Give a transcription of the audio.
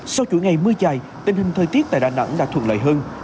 sau chuỗi ngày mưa dài tình hình thời tiết tại đà nẵng đã thuận lợi hơn